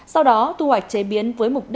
sau đó thu hoạch chế biến